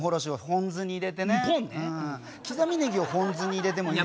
刻みねぎをホンズに入れてもいい。